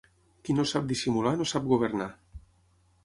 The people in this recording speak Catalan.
Qui no sap dissimular no sap governar.